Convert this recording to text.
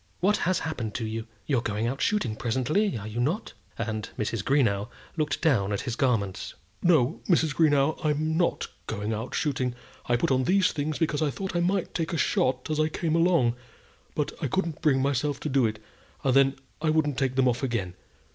what has happened to you? You're going out shooting, presently; are you not?" and Mrs. Greenow looked down at his garments. "No, Mrs. Greenow, I'm not going out shooting. I put on these things because I thought I might take a shot as I came along. But I couldn't bring myself to do it, and then I wouldn't take them off again.